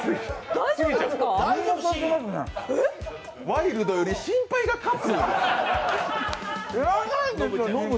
ワイルドより心配が勝つ！